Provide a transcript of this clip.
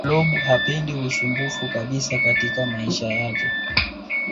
blob hapendi ususmbufu kabisa katika maisha yake